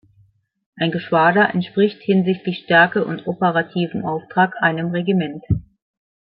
Ein Geschwader entspricht hinsichtlich Stärke und operativem Auftrag einem Regiment.